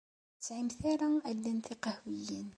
Ur tesɛimt ara allen tiqehwiyin.